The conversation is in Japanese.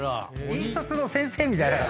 引率の先生みたいな方？